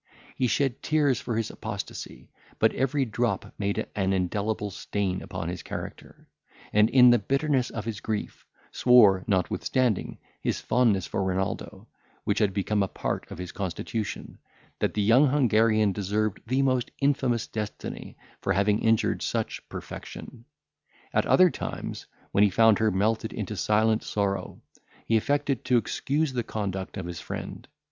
He shed tears for his apostasy; but every drop made an indelible stain upon his character; and, in the bitterness of his grief, swore, notwithstanding his fondness for Renaldo, which had become a part of his constitution, that the young Hungarian deserved the most infamous destiny for having injured such perfection. At other times, when he found her melted into silent sorrow, he affected to excuse the conduct of his friend.